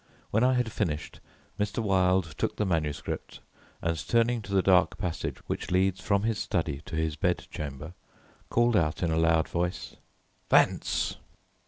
When I had finished Mr. Wilde took the manuscript and, turning to the dark passage which leads from his study to his bed chamber, called out in a loud voice, "Vance."